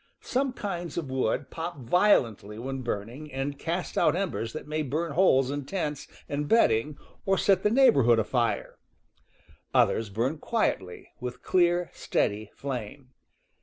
Some kinds of wood pop violently when burn ing and cast out embers that may burn holes in tents and bedding or set the neighborhood afire; others burn quietly, with clear, steady flame.